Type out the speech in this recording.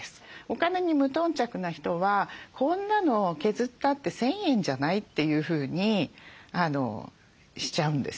お金に無頓着な人は「こんなの削ったって１，０００円じゃない？」というふうにしちゃうんですね。